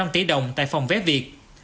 một một trăm linh tỷ đồng tại phòng vé việt